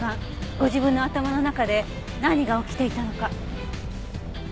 ご自分の頭の中で何が起きていたのか。